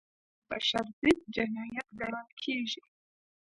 وژنه د بشر ضد جنایت ګڼل کېږي